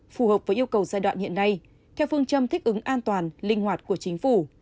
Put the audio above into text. phù hợp với yêu cầu giai đoạn hiện nay theo phương châm thích ứng an toàn linh hoạt của chính phủ